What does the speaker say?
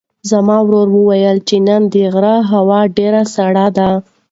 زما ورور وویل چې نن د غره هوا ډېره سړه ده.